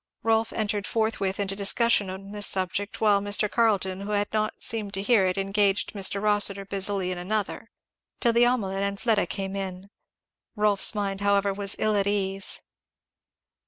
Rolf entered forthwith into discussion on this subject, while Mr. Carleton who had not seemed to hear it engaged Mr. Rossitur busily in another; till the omelette and Fleda came in. Rolf's mind however was ill at ease.